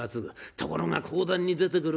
ところが講談に出てくる